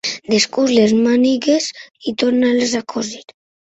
Descús les mànigues i torna-les a cosir.